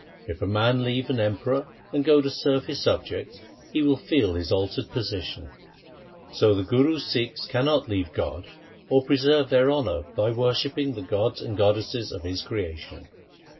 If a man leave an emperor and go to serve his subjects, he will feel his altered position. So the Guru's Sikhs can not leave God or preserve their honour by wor shipping the gods and goddesses of His creation.'